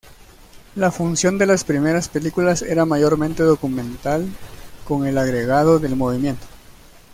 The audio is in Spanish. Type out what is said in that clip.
La función de las primeras "películas" era mayormente documental, con el agregado del movimiento.